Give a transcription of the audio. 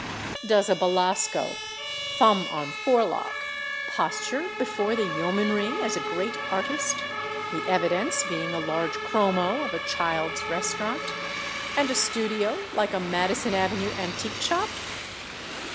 Does a Belasco, thumb on forelock, posture before the yeomanry as a Great Artist, the evidence being a large chromo of a Childs' restaurant, and a studio like a Madison avenue antique shop?